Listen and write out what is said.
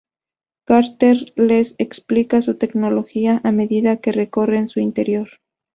Carter les explica su tecnología, a medida que recorren su interior.